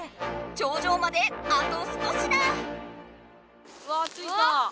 頂上まであと少しだ！わついた！